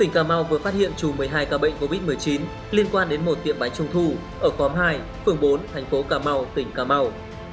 cà mau vừa phát hiện trù một mươi hai ca bệnh covid một mươi chín liên quan đến một tiệm bánh trung thu ở khóm hai phường bốn thành phố cà mau tỉnh cà mau